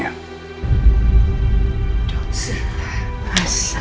jangan lihat dia